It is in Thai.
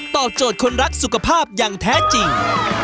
โจทย์คนรักสุขภาพอย่างแท้จริง